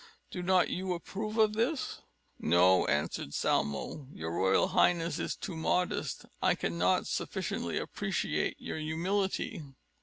Do not you approve of this?" "No," answered Salmoé, "your royal highness is too modest; I cannot sufficiently appreciate your humility."